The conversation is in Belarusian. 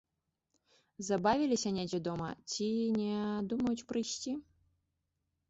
Забавіліся недзе дома ці не думаюць прыйсці.